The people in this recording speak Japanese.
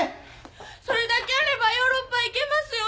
それだけあればヨーロッパ行けますよね？